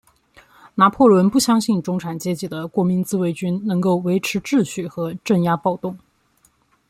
拿破仑不相信中产阶级的国民自卫军能够维持秩序和镇压暴动。